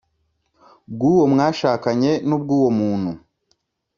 Bw uwo mwashakanye n ubw uwo muntu